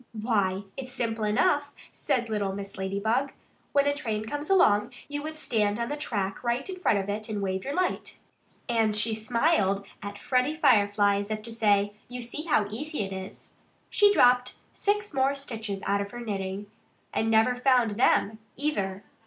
"Why, it's simple enough," said little Mrs. Ladybug. "When a train came along you would stand on the track right in front of it and wave your light." And while she smiled at Freddie Firefly as if to say, "You see how easy it is," she dropped six more stitches out of her knitting and never found them, either.